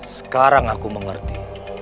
sekarang aku mengerti